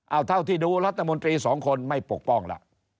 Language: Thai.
เอาเท่าที่ดูรัฐมนตรีสองคนไม่ปกป้องล่ะ